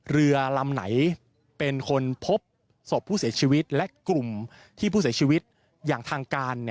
เรือลำไหนเป็นคนพบศพผู้เสียชีวิตและกลุ่มที่ผู้เสียชีวิตอย่างทางการ